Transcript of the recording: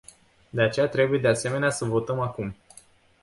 De aceea trebuie, de asemenea, să votăm acum.